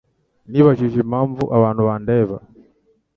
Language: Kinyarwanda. Nibajije impamvu abantu bandeba.